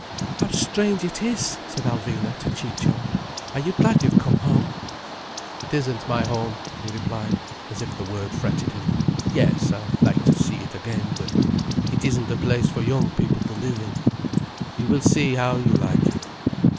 "How strange it is!" said Alvina to Ciccio. "Are you glad you have come home?" "It isn't my home," he replied, as if the word fretted him. "Yes, I like to see it again. But it isn't the place for young people to live in. You will see how you like it."